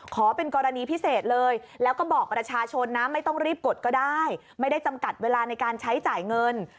ก็รีบกดก็ได้ไม่ได้จำกัดเวลาในการใช้จ่ายเงิน